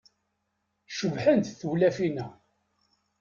Cebḥent tewlafin-a.